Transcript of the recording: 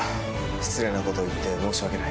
失礼なことを言って申し訳ない。